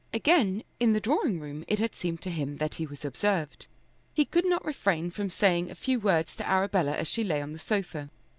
Again, in the drawing room it had seemed to him that he was observed. He could not refrain from saying a few words to Arabella as she lay on the sofa.